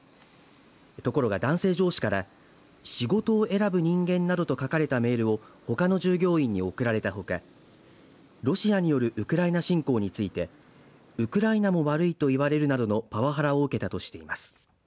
ところが、男性上司から仕事を選ぶ人間などと書かれたメールをほかの従業員に送られたほかロシアによるウクライナ侵攻についてウクライナも悪いと言われるなどのパワハラを受けたとしています。